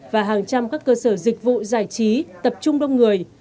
và hàng trăm các cơ sở dịch vụ giải trí tập trung đông người